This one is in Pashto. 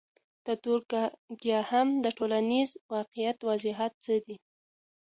د دورکهايم د ټولنیز واقعیت وضاحت څه دی؟